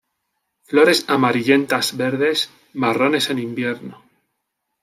Flores amarillentas verdes, marrones en invierno.